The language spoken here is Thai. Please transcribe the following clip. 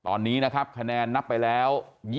ตอนนี้นะครับคะแนนนับไปแล้ว